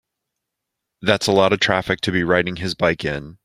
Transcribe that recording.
That 's a lot of traffic to be riding his bike in.